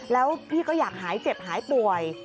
แล้วพี่ก็อยากหายเจ็บหายป่วย